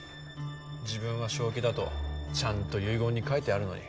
自分は正気だとちゃんと遺言に書いてあるのに。